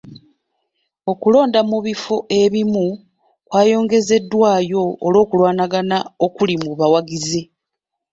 Okulonda mu bifo ebimu kwayongezeddwayo olw'okulwanagana okuli mu bawagizi.